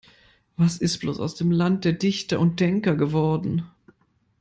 Was ist bloß aus dem Land der Dichter und Denker geworden?